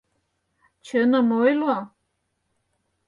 — Чыным ойло.